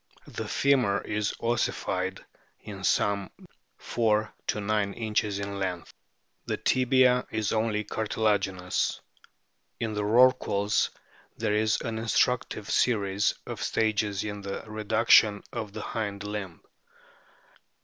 The femur is ossified is some 4 to 9 inches in length. The tibia is only cartilaginous. In the rorquals there is an instructive series of stages in the reduc tion of the hind limb.